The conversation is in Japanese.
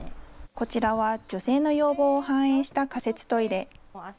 こちらは女性の要望を反映した仮設トイレ。